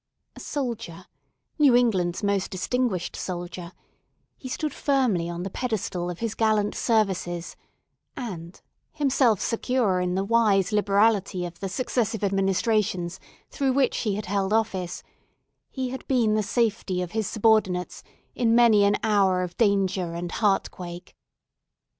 A soldier—New England's most distinguished soldier—he stood firmly on the pedestal of his gallant services; and, himself secure in the wise liberality of the successive administrations through which he had held office, he had been the safety of his subordinates in many an hour of danger and heart quake.